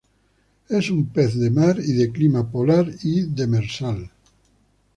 Es un pez de mar y de clima polar y demersal.